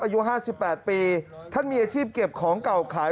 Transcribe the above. อายุ๕๘ปีท่านมีอาชีพเก็บของเก่าขาย